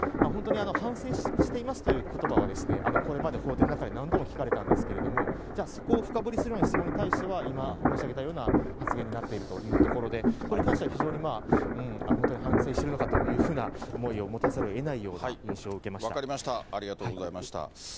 本当に反省していますということばは、これまで法廷の中で何度も聞かれたんですけれども、じゃあ、そこを深掘りするような質問に対しては、今申し上げたような発言になっているというところで、これに関しては非常にまあ、本当に反省してるのかというふうな思いを持たざるをえないような分かりました、ありがとうございました。